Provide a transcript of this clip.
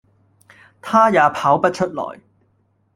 他也跑不出來